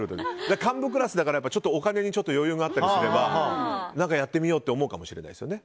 幹部クラスだからお金に余裕があったりすればやってみようって思うかもしれないですよね。